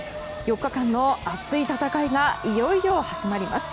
４日間の熱い戦いがいよいよ始まります。